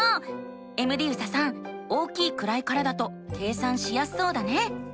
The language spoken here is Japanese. エムディユサさん大きい位からだと計算しやすそうだね。